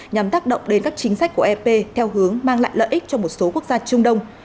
nhằm tác động đến các chính sách của ep theo hướng mang lại lợi ích cho một số quốc gia trung đông